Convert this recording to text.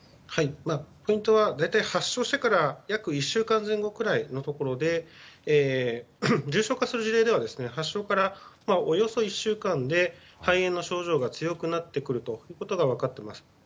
ポイントは大体、発症してから約１週間前後くらいのところで重症化する事例では発症からおよそ１週間で肺炎の症状が強くなってくるということが分かっています。